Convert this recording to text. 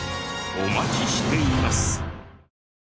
お待ちしています。